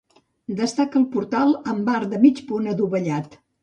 Destaca el portal amb arc de mig punt adovellat.